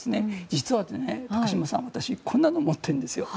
実は、高島さん私こんなの持ってるんですよ。